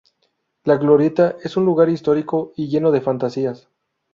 La Glorieta es un lugar histórico y lleno de fantasías.